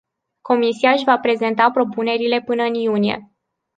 Comisia își va prezenta propunerile până în iunie.